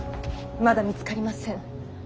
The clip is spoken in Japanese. まだ見つかりません。